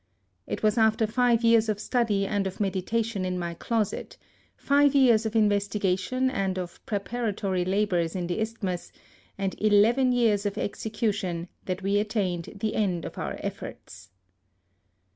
It was after five years of study and of meditation in my closet, five years of investigation and of preparatory labours in the isthmus, and eleven years of execution, that we attained the end of our efibrts.